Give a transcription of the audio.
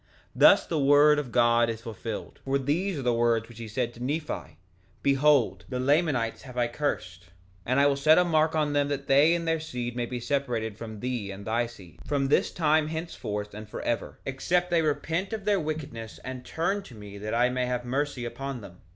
3:14 Thus the word of God is fulfilled, for these are the words which he said to Nephi: Behold, the Lamanites have I cursed, and I will set a mark on them that they and their seed may be separated from thee and thy seed, from this time henceforth and forever, except they repent of their wickedness and turn to me that I may have mercy upon them.